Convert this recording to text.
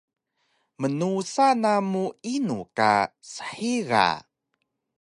Mnusa namu inu ka shiga?